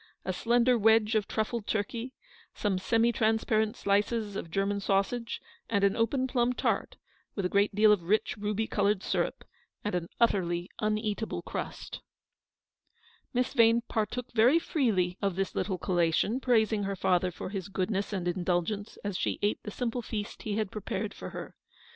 A slender wedge of truffled turkey, some semi transparent slices of German sausage, and an open plum tart, with a great deal of rich ruby coloured syrup, and an utterly uneatable crust. Miss Vane partook very freely of this little 38 Eleanor's victory. collation, praising her father for his goodness and indulgence as she ate the simple feast he had prepared for her.